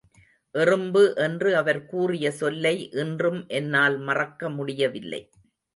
எறும்பு என்று அவர் கூறிய சொல்லை இன்றும் என்னால் மறக்க முடியவில்லை.